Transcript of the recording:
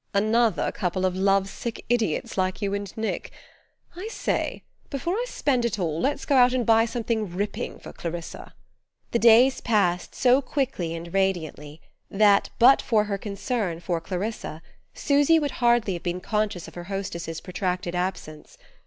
"Another couple of love sick idiots like you and Nick.... I say, before I spend it all let's go out and buy something ripping for Clarissa." The days passed so quickly and radiantly that, but for her concern for Clarissa, Susy would hardly have been conscious of her hostess's protracted absence.